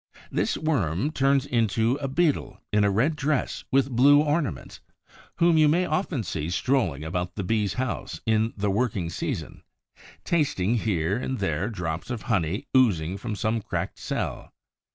This worm turns into a Beetle in a red dress with blue ornaments, whom you may often see strolling about the Bee's house in the working season, tasting here and there drops of honey oozing from some cracked cell.